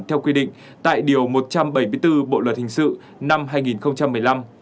theo quy định tại điều một trăm bảy mươi bốn bộ luật hình sự năm hai nghìn một mươi năm